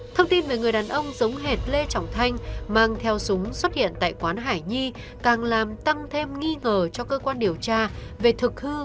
thông tin về người đàn ông giống hệt lê trọng thành mang theo súng xuất hiện tại quán hải nhi càng làm tăng thêm nghi ngờ cho cơ quan điều tra về thực hư cái chết của hắn